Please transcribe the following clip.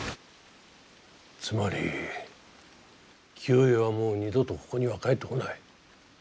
つまり清恵はもう二度とここには帰ってこない。